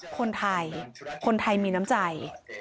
คนไทยคนไทยมีน้ำใจ